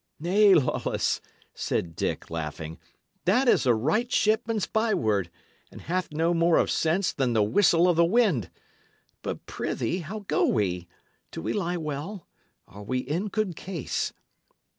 "Nay, Lawless," said Dick, laughing, "that is a right shipman's byword, and hath no more of sense than the whistle of the wind. But, prithee, how go we? Do we lie well? Are we in good case?"